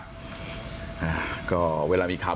เป็นพี่เป็นน้องกันโตมาด้วยกันตั้งแต่แล้ว